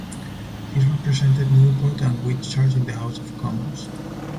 He represented Newport and Whitchurch in the House of Commons.